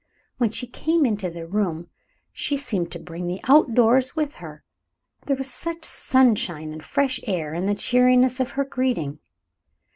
When she came into the room, she seemed to bring the outdoors with her, there was such sunshine and fresh air in the cheeriness of her greeting.